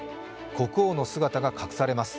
国王の姿が隠されます。